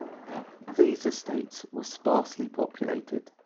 These estates were sparsely populated.